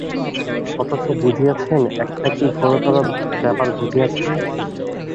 অথচ বুঝিয়াছেন, একটা কী ঘোরতর ব্যাপার ঘটিয়াছে।